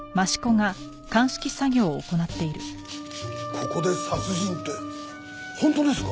ここで殺人って本当ですか？